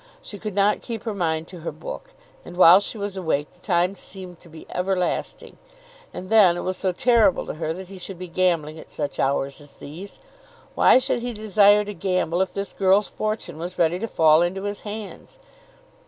She could not keep her mind to her book, and while she was awake the time seemed to be everlasting. And then it was so terrible to her that he should be gambling at such hours as these! Why should he desire to gamble if this girl's fortune was ready to fall into his hands?